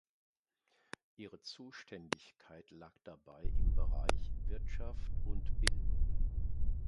Ihre Zuständigkeit lag dabei im Bereich Wirtschaft und Bildung.